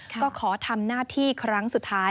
ก็ขอทำหน้าที่ครั้งสุดท้าย